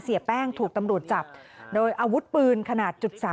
เสียแป้งถูกตำรวจจับโดยอาวุธปืนขนาด๓๘